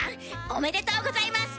おめでとうございます！